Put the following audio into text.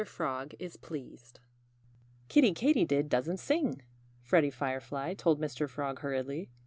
FROG IS PLEASED "Kiddie Katydid doesn't sing!" Freddie Firefly told Mr. Frog hurriedly.